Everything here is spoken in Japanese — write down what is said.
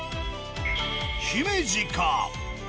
姫路か？